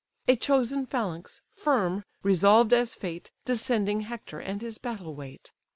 A chosen phalanx, firm, resolved as fate, Descending Hector and his battle wait.